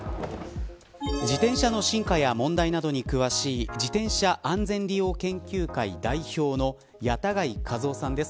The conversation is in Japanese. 自転車の進化や問題などに詳しい自転車安全利用研究会代表の谷田貝一男さんです。